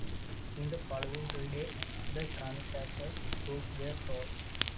In the following three days, the kamikazes took their toll.